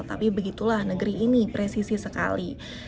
tapi begitulah negeri ini presisi sekali